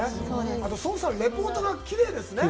あと孫さん、レポートがきれいですね。